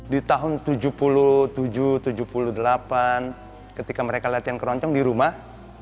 di tahun seribu sembilan ratus tujuh puluh tujuh seribu sembilan ratus tujuh puluh delapan ketika mereka melihat yang keroncong di rumah